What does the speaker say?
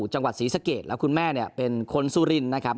จังหวัดศรีสะเกดแล้วคุณแม่เนี่ยเป็นคนสุรินนะครับ